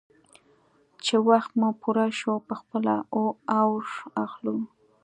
_چې وخت مو پوره شو، په خپله اور اخلو.